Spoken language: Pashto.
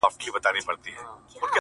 په بې صبری معشوقې چا میندلي دینه!.